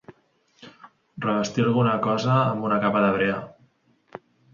Revestir alguna cosa amb una capa de brea.